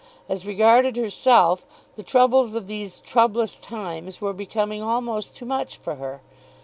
As regarded herself, the troubles of these troublous times were becoming almost too much for her.